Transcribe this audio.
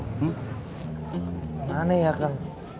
hmm aneh ya kang